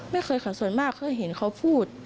ไม่เคยค่ะส่วนมากเคยเห็นเขาพูด